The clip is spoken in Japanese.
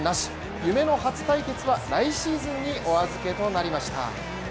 夢の初対決は来シーズンにお預けとなりました。